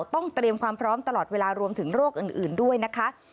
ต้องเตรียมความพร้อมตลอดเวลารวมถึงโรคอื่นด้วยนะคะ